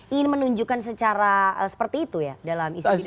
ingin menunjukkan secara seperti itu ya dalam isi pidatonya